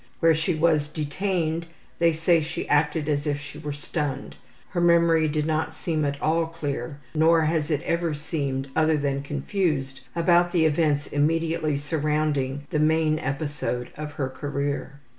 Where she was detained they say she acted as if she were stunned. Her memory did not seem at all clear, nor has it ever seemed other than confused about the events immediately surrounding the main episode of her career.